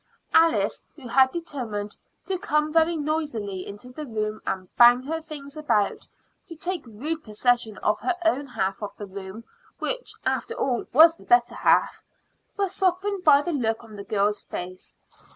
Alice, who had determined to come very noisily into the room and bang her things about, to take rude possession of her own half of the room which, after all, was the better half was softened by the look on the girl's face.